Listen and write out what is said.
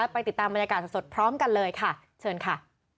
ไปติดตามบรรยากาศสดพร้อมกันเลยค่ะเชิญค่ะ